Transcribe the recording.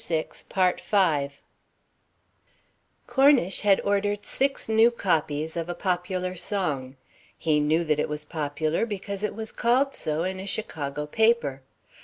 Cornish had ordered six new copies of a popular song. He knew that it was popular because it was called so in a Chicago paper.